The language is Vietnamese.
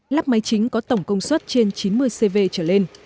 lắp máy chính có tổng công suất trên chín mươi cv trở lên